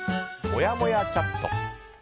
もやもやチャット。